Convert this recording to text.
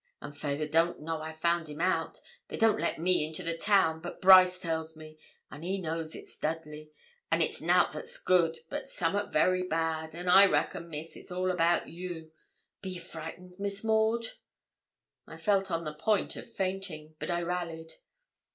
An' fayther don't know I found him out. They don't let me into the town, but Brice tells me, and he knows it's Dudley; and it's nout that's good, but summat very bad. An' I reckon, Miss, it's all about you. Be ye frightened, Miss Maud?' I felt on the point of fainting, but I rallied.